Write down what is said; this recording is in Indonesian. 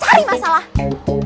cari masalah nih dia